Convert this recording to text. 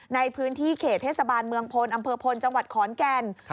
ในพื้นที่เขตเทศบาลเมืองพลอำเภอพลจังหวัดขอนแก่น